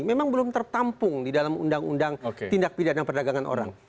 memang belum tertampung di dalam undang undang tindak pidana perdagangan orang